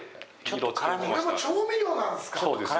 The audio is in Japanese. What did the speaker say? これも調味料なんですか？